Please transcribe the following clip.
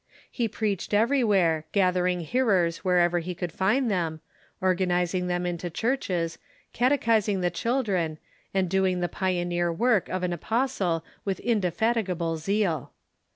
He prcaclied everywhere, gathering hearers wherever he could find them, organizing them into churches, catechising the children, and doing the pioneer work of an apostle with indefatigable zeal.